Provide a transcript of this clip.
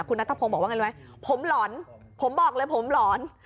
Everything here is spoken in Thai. คุณนัทพงศ์บอกว่าไงรู้ไหมผมหลอนผมบอกเลยผมหลอน